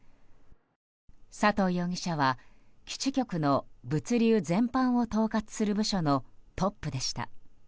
佐藤容疑者は基地局の物流全般を統括する部署のトップでした。